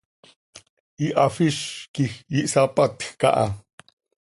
Ihafíz quij ihsapatjc aha.